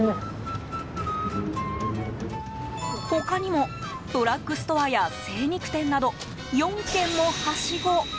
他にもドラッグストアや精肉店など４軒も、はしご。